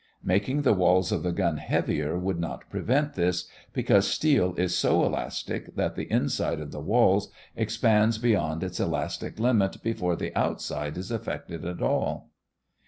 Making the walls of the gun heavier would not prevent this, because steel is so elastic that the inside of the walls expands beyond its elastic limit before the outside is affected at all.